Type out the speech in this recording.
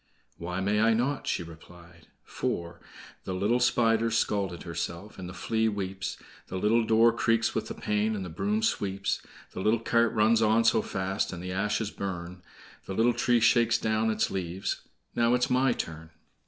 "Why may I not?" she replied; for "The little Spider's scalt herself, And the Flea weeps; The little door creaks with the pain, And the broom sweeps; The little cart runs on so fast, And the ashes burn; The little tree shakes down its leaves— Now it is my turn!"